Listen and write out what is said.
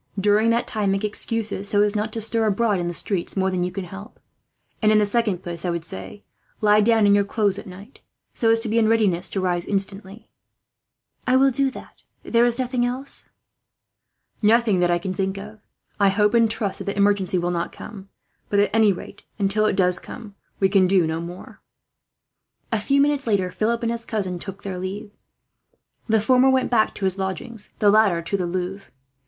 During that time, make excuses so as not to stir abroad in the streets more than you can help; and in the second place I would say, lie down in your clothes at night, so as to be in readiness to rise, instantly." "I will do that," she said. "There is nothing else?" "Nothing that I can think of. I hope and trust that the emergency will not come; but at any rate, until it does come, we can do no more." A few minutes later, Philip and his cousin took their leave. The former went back to his lodgings, the latter to the Louvre.